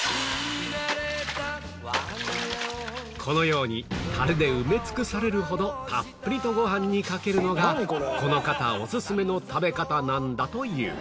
このようにタレで埋め尽くされるほどたっぷりとご飯にかけるのがこの方オススメの食べ方なんだという